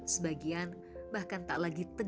sebagian bahkan tak lagi tegas